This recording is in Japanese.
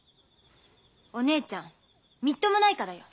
お姉ちゃんみっともないからよ。